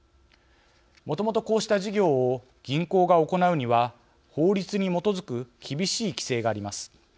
もともとこうした事業を銀行が行うには法律に基づく厳しい規制があります。